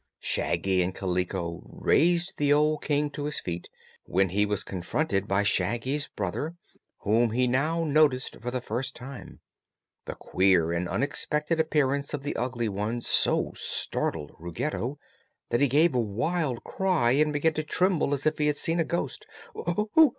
Shaggy and Kaliko raised the old King to his feet, when he was confronted by Shaggy's brother, whom he now noticed for the first time. The queer and unexpected appearance of the Ugly One so startled Ruggedo that he gave a wild cry and began to tremble, as if he had seen a ghost.